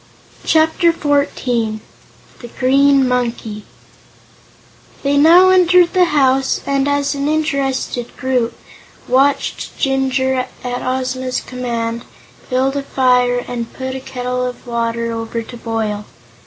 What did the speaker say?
Chapter Fourteen The Green Monkey They now entered the house, and as an interested group, watched Jinjur, at Ozma's command, build a fire and put a kettle of water over to boil.